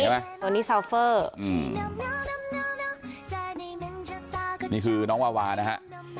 เมนูวัววานะฮะ